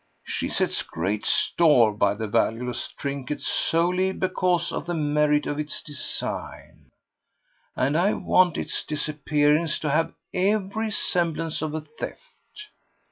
She sets great store by the valueless trinket solely because of the merit of its design, and I want its disappearance to have every semblance of a theft.